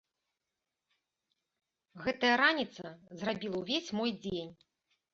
Гэтая раніца зрабіла ўвесь мой дзень.